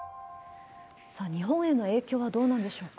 さあ、日本への影響はどうなんでしょうか。